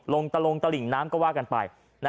ตะลงตะหิ่งน้ำก็ว่ากันไป